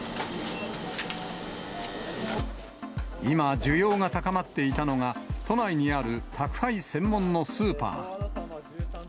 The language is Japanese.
今、需要が高まっていたのが、都内にある宅配専門のスーパー。